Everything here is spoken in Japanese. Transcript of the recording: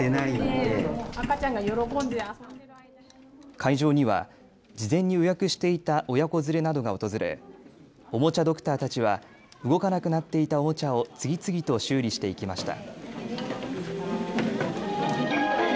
会場には事前に予約していた親子連れなどが訪れおもちゃドクターたちは動かなくなっていたおもちゃを次々と修理していきました。